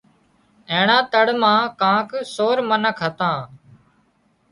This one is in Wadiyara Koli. اينڻا تۯ مان ڪانڪ سور منک هتان